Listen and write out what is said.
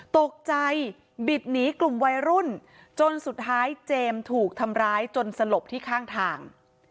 ตกใจบิดหนีกลุ่มวัยรุ่นจนสุดท้ายเจมส์ถูกทำร้ายจนสลบที่ข้างทาง